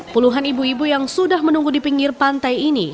puluhan ibu ibu yang sudah menunggu di pinggir pantai ini